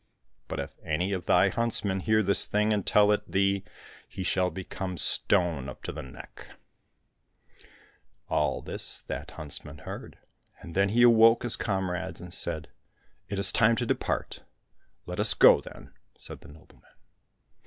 But if any of thy huntsmen hear this thing and tell it thee, he shall become stone up to the neck !'* All this 50 THE VOICES AT THE WINDOW that huntsman heard, and then he awoke his comrades and said, " It is time to depart !"—" Let us go then," said the nobleman.